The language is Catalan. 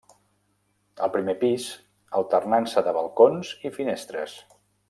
Al primer pis alternança de balcons i finestres.